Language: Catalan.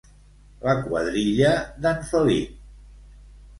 La quadrilla d'en Felip.